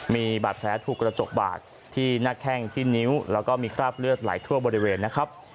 มีบาดแผลถูกกระจกบาดที่หน้าแข้งที่นิ้วแล้วก็มีคราบเลือดไหลทั่วบริเวณนะครับ